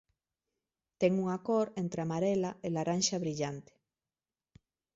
Ten unha cor entre amarela e laranxa brillante.